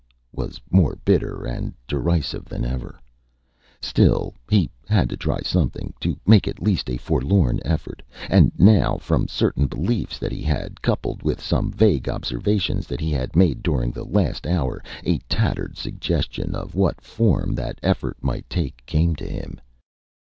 was more bitter and derisive than ever. Still, he had to try something to make at least a forlorn effort. And now, from certain beliefs that he had, coupled with some vague observations that he had made during the last hour, a tattered suggestion of what form that effort might take, came to him.